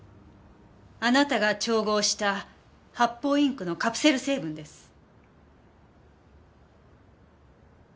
あなたが調合した発泡インクのカプセル成分です。